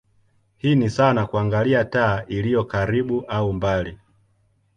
Hii ni sawa na kuangalia taa iliyo karibu au mbali.